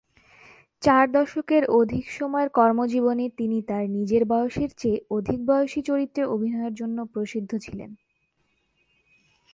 চার দশকের অধিক সময়ের কর্মজীবনে তিনি তার নিজের বয়সের চেয়ে অধিক বয়সী চরিত্রে অভিনয়ের জন্য প্রসিদ্ধ ছিলেন।